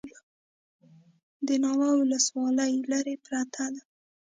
د ناوه ولسوالۍ لیرې ده